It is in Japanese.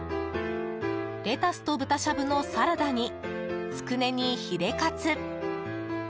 レタスと豚しゃぶのサラダにつくねにヒレカツ。